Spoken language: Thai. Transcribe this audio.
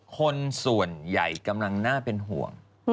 คนส่วนใหญ่กำลังน่าเป็นห่วง